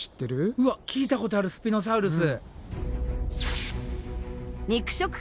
うわっ聞いたことあるスピノサウルス。